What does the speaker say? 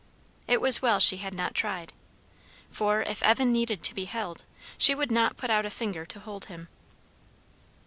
It was well she had not tried. For if Evan needed to be held, she would not put out a finger to hold him.